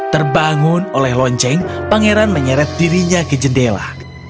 terbangun oleh lonceng pangeran menyeret dirinya ke jendela